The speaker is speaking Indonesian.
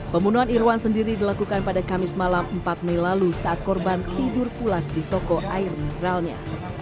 pembunuhan irwan sendiri dilakukan pada kamis malam empat mei lalu saat korban tidur pulas di toko air mineralnya